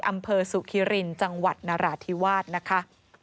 อำเภอสุขิรินจังหวัดนราธิวาสนะคะ